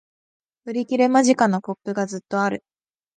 売り切れ間近！のポップがずっとある